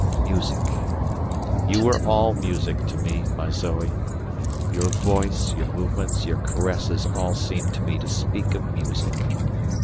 Music! you were all music to me, my Zoe. Your voice, your movements, your caresses all seemed to me to speak of music.